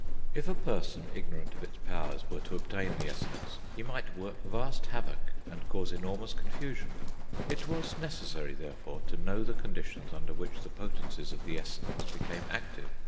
If a person ignorant of its powers were to obtain the Essence, he might work vast havoc and cause enormous confusion; it was necessary, therefore, to know the conditions under which the potencies of the Essence became active.